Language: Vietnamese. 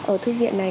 ở thư viện này